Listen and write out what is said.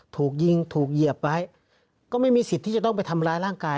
ถูกยิงถูกเหยียบไว้ก็ไม่มีสิทธิ์ที่จะต้องไปทำร้ายร่างกาย